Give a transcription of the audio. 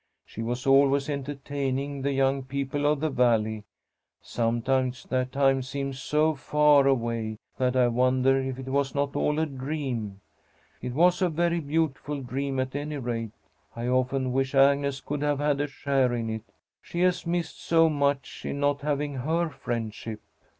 She was always entertaining the young people of the Valley. Sometimes that time seems so far away that I wonder if it was not all a dream. It was a very beautiful dream, at any rate. I often wish Agnes could have had a share in it. She has missed so much in not having her friendship."